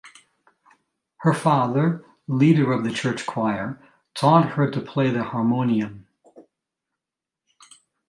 Her father, leader of the church choir, taught her to play the harmonium.